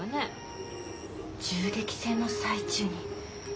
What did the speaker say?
銃撃戦の最中に。